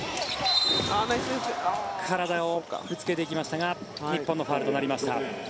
体をぶつけていきましたが日本のファウルとなりました。